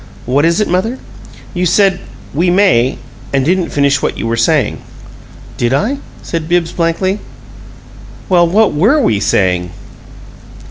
"What is it, mother?" "You said, 'We may,' and didn't finish what you were sayin'." "Did I?" said Bibbs, blankly. "Well, what WERE we saying?"